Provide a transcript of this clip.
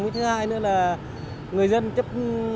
mới thứ hai nữa là người dân chấp